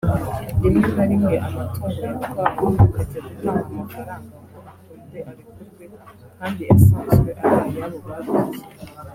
rimwe na rimwe amatungo yatwawe bakajya gutanga amafaranga ngo akunde arekurwe kandi asanzwe ari ayabo baruhiye